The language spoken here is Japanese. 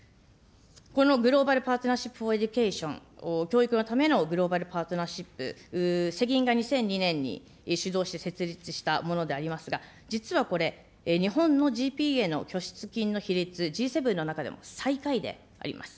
このグローバル・パートナーシップ・フォー・エデュケーション、教育のためのグローバルパートナーシップ、世銀が指導して設立したものでありますが、実はこれ、日本のＧＰＡの拠出金の比率、Ｇ７の中でも最下位であります。